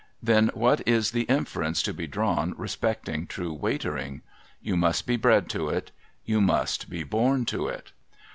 Then, what is the inference to be drawn respecting true Waitering ? You must be bred to it. You must be born to it.